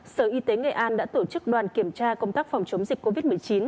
sở y tế nghệ an đã tổ chức đoàn kiểm tra công tác phòng chống dịch covid một mươi chín